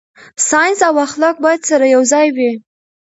ساينس او اخلاق باید سره یوځای وي.